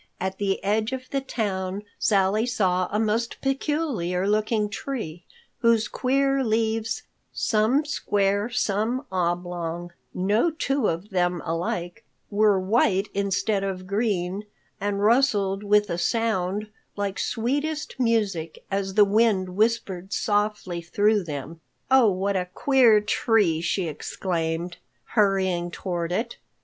At the edge of the town Sally saw a most peculiar looking tree whose queer leaves, some square, some oblong, no two of them alike, were white instead of green, and rustled with a sound like sweetest music as the wind whispered softly through them. "Oh, what a queer tree!" she exclaimed, hurrying toward it.